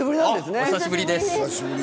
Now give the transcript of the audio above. お久しぶりです。